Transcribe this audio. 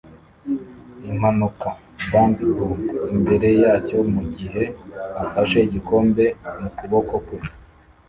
"Impanuka! Bang! Boom!" Imbere yacyo mugihe afashe igikombe mukuboko kwe